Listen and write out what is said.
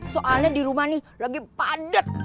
soalnya di rumah nih lagi padat